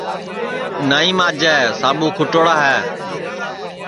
نائی ماجے ساٻو کُھٹوڑا ہے